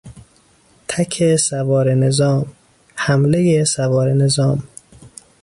تک سواره نظام، حملهی سواره نظام